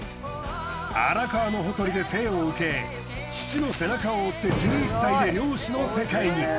荒川のほとりで生を受け父の背中を追って１１歳で漁師の世界に。